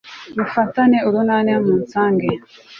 mufatane urunana munsange